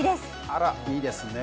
あらっいいですね